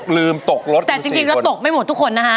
ลืมตกรถคุณสี่คนแต่จริงแล้วตกไม่หมดทุกคนค่ะ